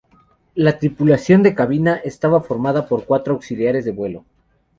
La tripulación de cabina estaba formada por cuatro auxiliares de vuelo.